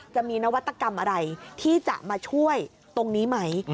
จะมีนวัตกรรมอะไรที่จะมาช่วยตรงนี้ไหม